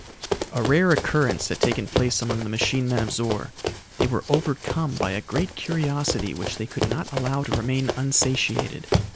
A rare occurrence had taken place among the machine men of Zor. They were overcome by a great curiosity which they could not allow to remain unsatiated.